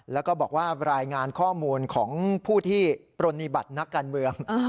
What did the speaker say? แล้วก็บอกว่ารายงานข้อมูลของผู้ที่ปรณีบัตรนักการเมือง